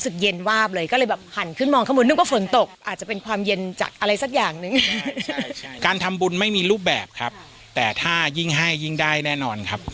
การว่ายิ่งให้ยิ่งได้แน่นอนครับ